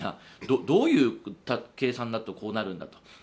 どういう計算だとこうなるんだと。